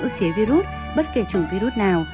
ước chế virus bất kể chủng virus nào